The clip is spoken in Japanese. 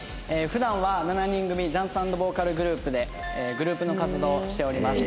普段は７人組ダンス＆ボーカルグループでグループの活動をしております。